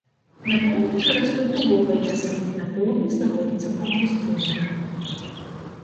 На поўначы растуць дубовыя лясы, на поўдні знаходзіцца паўпустыня.